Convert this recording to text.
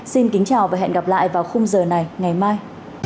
xin kính chào và hẹn gặp lại vào khung giờ này ngày mai